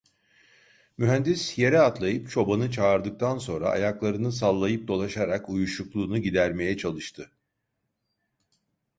Mühendis yere atlayıp çobanı çağırdıktan sonra ayaklarını sallayıp dolaşarak uyuşukluğunu gidermeye çalıştı.